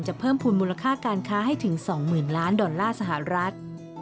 เพิ่มภูมิมูลค่าการค้าให้ถึง๒๐๐๐ล้านดอลลาร์สหรัฐ